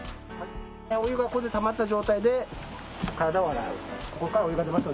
お湯がここでたまった状態で体を洗います。